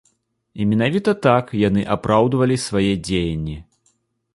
І менавіта так яны апраўдвалі свае дзеянні.